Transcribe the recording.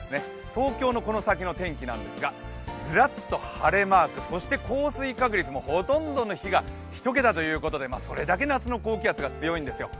東京のこの先の天気なんですがずらっと晴れマーク、そして降水確率もほとんどの日が１桁ということでそれだけ夏の高気圧が強いんですよ。